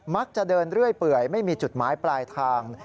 จะเดินเรื่อยเปื่อยไม่มีจุดหมายปลายทาง